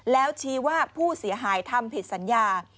แล้วชี้ว่าผู้เสียหายทำผิดสัญญา